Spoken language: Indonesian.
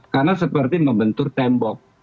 karena seperti membentur tembok